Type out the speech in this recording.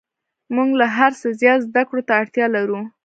موږ له هر څه زیات زده کړو ته اړتیا لرو